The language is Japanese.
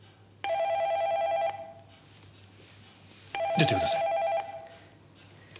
出てください。